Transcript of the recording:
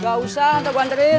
gak usah nanti gue anterin